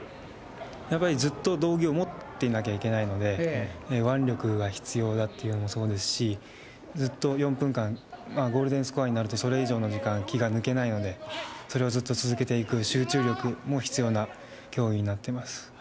やっぱり、ずっと動議を持っていなきゃいけないので、腕力が必要だというのもそうですし、ずっと４分間、ゴールデンスコアになると、それ以上の時間、気が抜けないので、それをずっと続けていく集中力も必要な競技になってます。